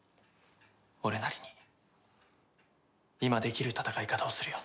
俺なりに今できる戦い方をするよ。